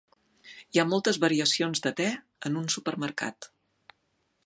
Hi ha moltes variacions de te en un supermercat.